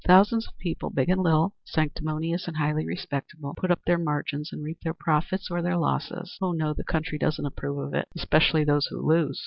Thousands of people, big and little, sanctimonious and highly respectable, put up their margins and reap their profits or their losses. Oh no, the country doesn't approve of it, especially those who lose.